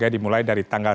dimulai dari tanggal